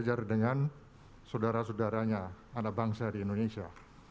diajar dengan saudara saudaranya anak bangsa di indonesia